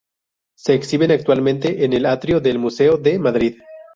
Se exhiben actualmente en el atrio del museo de Madrid.